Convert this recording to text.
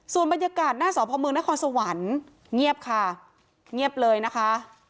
ส่วนบรรยากาศหน้าสพมนครสวรรค์เงียบค่ะเงียบเลยนะคะ